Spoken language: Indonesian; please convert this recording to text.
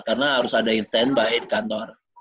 karena harus ada standby di kantor